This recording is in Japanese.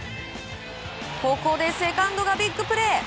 ここでセカンドがビッグプレー。